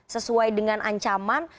sesuai dengan ancaman